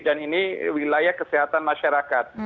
dan ini wilayah kesehatan masyarakat